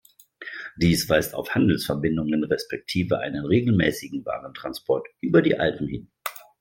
Dies weist auf Handelsverbindungen respektive einen regelmässigen Warentransport über die Alpen hin.